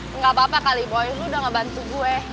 gak apa apa kali boy lo udah gak bantu gue